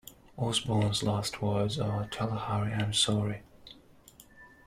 Osborn's last words are, Tell Harry, I'm sorry.